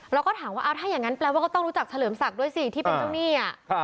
เราก็ถามว่าถ้าอย่างนั้นแปลว่าก็ต้องรู้จักเฉลิมสักด้วยสิ